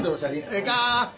ええか？